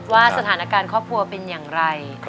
ว่าสถานการณ์ครอบครัวเป็นอย่างไร